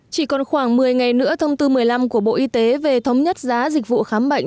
chỉ còn khoảng một mươi ngày nữa thông tư một mươi năm của bộ y tế về thống nhất giá dịch vụ khám bệnh